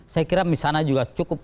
saya kira misalnya juga cukup